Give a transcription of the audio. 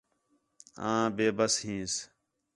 آں بے بس ہینس